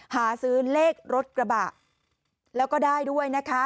หาซื้อเลขรถกระบะแล้วก็ได้ด้วยนะคะ